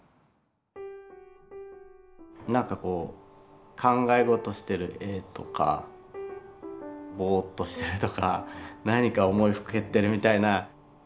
なんかこう考え事してる絵とかボーッとしてるとか何か思いふけってるみたいな。